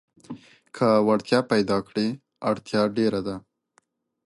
که وړتيا پيداکړې اړتيا ډېره ده.